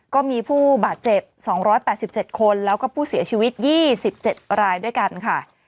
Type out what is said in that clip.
ก็มีผู้บาดเจ็บสองร้อยแปดสิบเจ็ดคนแล้วก็ผู้เสียชีวิตยี่สิบเจ็ดรายด้วยกันค่ะ